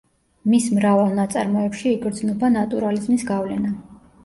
მის მრავალ ნაწარმოებში იგრძნობა ნატურალიზმის გავლენა.